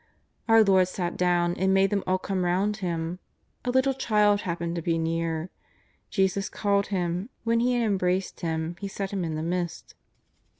Our Lord sat do^\^l and made them all come round Him. A little child happened to be near. Jesus called him, and, when He had embraced him, He set him in the midst.